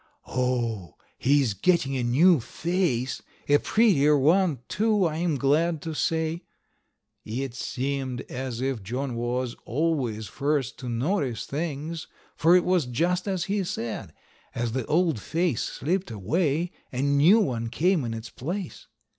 "Oh! he is getting a new face. A prettier one, too, I am glad to say." It seemed as if John was always first to notice things, for it was just as he said; as the old face slipped away a new one came in its place.